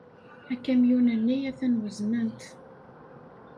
Akamyun-nni atan wezznen-t.